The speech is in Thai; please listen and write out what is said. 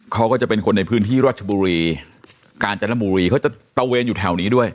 เขาก็จะเป็นคนในพื้นที่รัชบุรีกาญจนบุรีเขาจะตะเวนอยู่แถวนี้ด้วย